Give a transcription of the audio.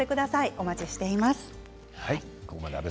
お待ちしています。